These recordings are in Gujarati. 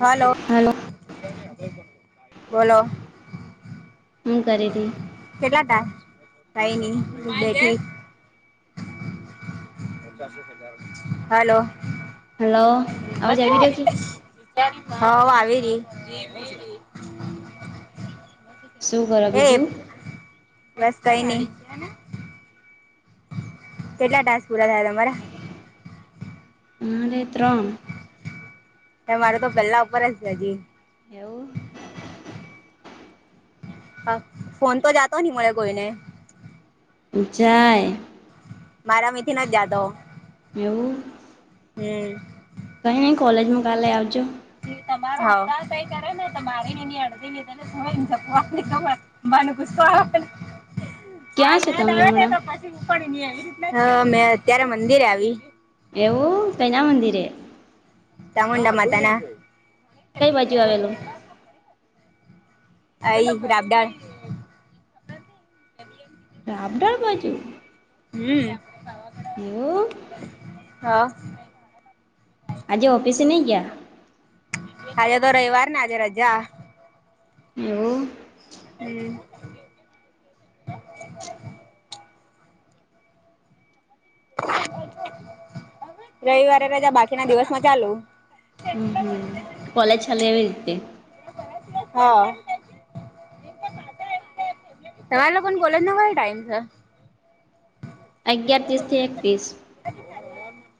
હેલો, હલો બોલો. હું કરી રી? કેટલા ટાય કાઈ ની બેઠી. હેલો. હલો અવાજ આવી રહ્યો કે [unintelligible] હવ આવી રી. શું કરો એ બીજું? બસ કઈ ની. કેટલા ટાસ પૂરા થયા તમારા? હમ રે ત્રણ. એ મારે તો પહેલા ઉપર જ હજી. એવું? હા, ફોન તો જાતો ની મળે કોઈને. [unintelligible] જાય. મારા મેથી નથ જાતો. એવું. હમ. કઈ ની કોલેજમો કાલે આવજો. તમાર અતાર કાઈ કરે ને તો મારેન એની અળધી [inaudible] હા ક્યાં છે યાદ તમે આવ છે હમણાં તો પછી હું પણ એની એવી રીતના, હ મેં અત્યારે મંદિરે આવી. એવું કૈના મંદિરે. ચામુંડા માતાના. કઈ બાજુ આવેલું? આઈ રાબડાળ. આંબળા બાજુ હમ્મ એવું. હા આજે ઓફિસે નઈ ગયા આજે તો રવિવારને આજે રજા. હમ્મ. હમ્મ રવિવારે રજા બાકીના દિવસમાં ચાલુ. હમ હમ. કોલેજ ચાલી એવી રીતે. હા તમાર લોકોને કોલેજનો કયો ટાઈમ છે? અગિયાર ત્રીસ થી એક ત્રીસ.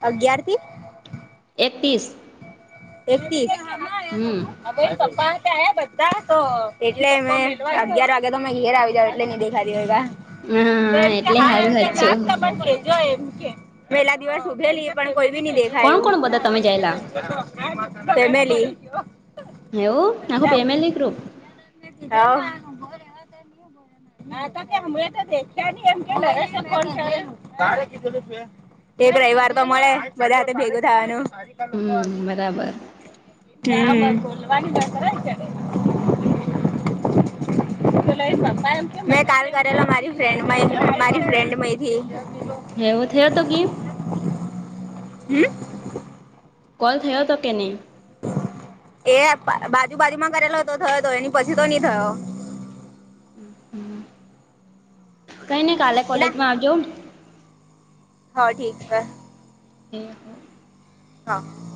અગિયાર થી એકતીસ એક તીસ. હમ એટલે મે અગયાર વાગ્યા તો ઘેર આવી જાવ એટલે [unintelligible] તો હા એમ કે એટલે હાલ સારું હચું જો એમ કે પેલા દિવસ ઉભેલી પણ કોઈ બી નહી કોણ દેખાયું. કોણ બધા તમે જાયેલા ફેમિલી. હેવું ના ખૂ પેમલ એ ગ્રૂપ. હોવ [inaudible] હા તો કે હમ તો દેખ્યા ન એમ કે [unintelligible] એક રવિવાર તો મળે બધા સાથે ભેગું થવાનું. હમ બરાબર હમ્મ. [inaudible] મે કાલ કરેલા મારી ફ્રેન્ડ મારી ફ્રેન્ડમયથી. હેવો થયા તો ગીપ હમ્મ કોલ થયો હતો કે નઈ? એ બાજુ બાજુમાં કરેલો તો થયો હતો એની પછી તો નઈ થયો. કઈ ની કાલે કોલેજમાં આવજો હા ઠીક છે. હમ્મ. હા